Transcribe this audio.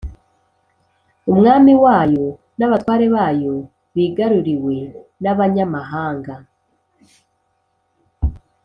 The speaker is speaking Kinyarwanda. umwami wayo n’abatware bayo bigaruriwe n’abanyamahanga,